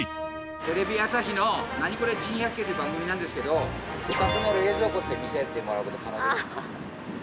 テレビ朝日の『ナニコレ珍百景』という番組なんですけどお宅の冷蔵庫って見せてもらう事可能でしょうか？